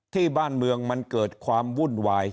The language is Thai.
ที่บ้านเมืองมันเกิดความวุ่นวาย